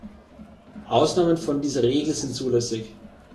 Ausnahmen von dieser Regel sind zulässig.